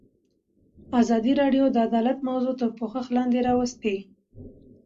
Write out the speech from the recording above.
ازادي راډیو د عدالت موضوع تر پوښښ لاندې راوستې.